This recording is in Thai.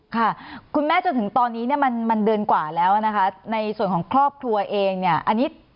ค่ะคุณแม่จนถึงตอนนี้มันเดินกว่าแล้วนะคะในส่วนของครอบครัวเองเนี่ย